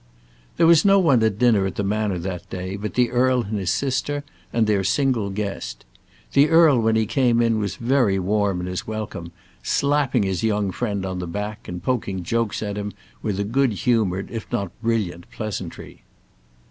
There was no one at dinner at the Manor that day but the earl and his sister and their single guest. The earl when he came in was very warm in his welcome, slapping his young friend on the back, and poking jokes at him with a good humoured if not brilliant pleasantry.